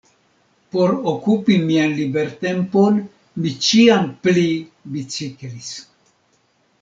Por okupi mian libertempon, mi ĉiam pli biciklis.